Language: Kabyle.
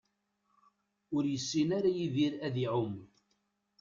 Ur yessin ara Yidir ad iɛumm.